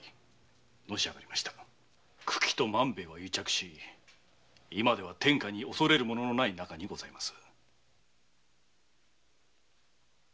九鬼と万兵衛は癒着し今まで天下に恐れるもののない仲にございます。